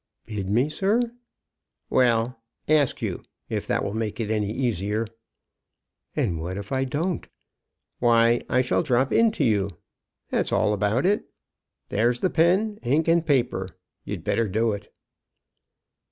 "Bid me, sir!" "Well, ask you; if that will make it easier." "And what if I don't?" "Why, I shall drop into you. That's all about it. There's the pen, ink, and paper; you'd better do it."